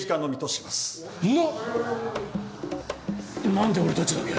何で俺たちだけ？